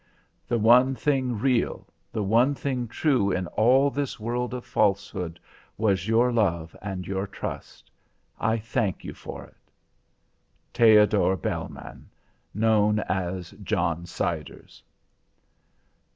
The one thing real, the one thing true in all this world of falsehood was your love and your trust. I thank you for it. THEODOR BELLMANN, known as JOHN SIDERS.